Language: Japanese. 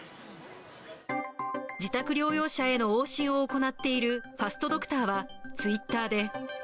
自宅療養者への往診を行っているファストドクターは、ツイッターで。